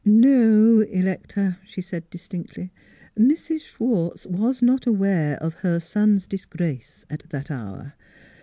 " No, Electa," she said distinctly, " Mrs. Schwartz was not a ware of her son's dis grace at that hour.